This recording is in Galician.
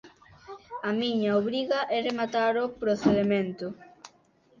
A miña obriga é rematar o procedemento.